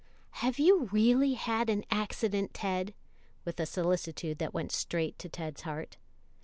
"Have you really had an accident, Ted?" with a solicitude that went straight to Ted's heart.